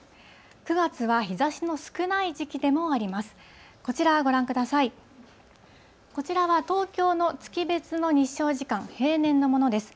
９月は日ざしの少ない時期でもあります。